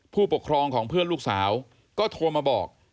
ผู้ปกครองของเพื่อนลูกสาวก็โทรมาบอก